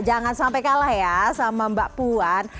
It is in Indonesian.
jangan sampai kalah ya sama mbak puan